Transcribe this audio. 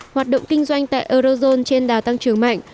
hoạt động kinh doanh tại eurozone trên đà tăng trưởng mạnh